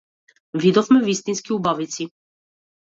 Видовме вистински убавици.